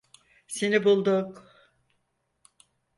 Seni bulduk.